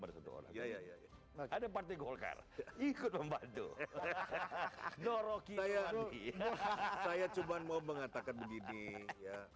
pada seorang ya ya ada partai golkar ikut membantu hahaha doroki saya cuma mau mengatakan begini ya